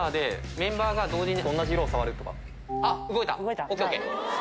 あっ動いた。